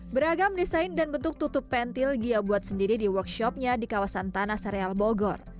beragam desain dan bentuk tutup pentil gia buat sendiri di workshopnya di kawasan tanah sereal bogor